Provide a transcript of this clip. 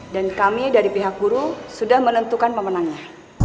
dan kami dari pihak guru sudah menentukan pemenangnya